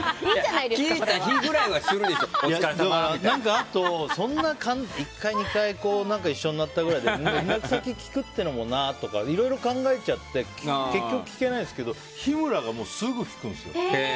あと、そんな１回２回一緒になったぐらいで連絡先聞くっていうのもなとかいろいろ考えちゃって結局聞けないんですけど日村がすぐ聞くんですよ。